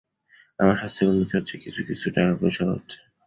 আমার স্বাস্থ্যের উন্নতি হচ্ছে, কিছু কিছু টাকাপয়সাও হচ্ছে।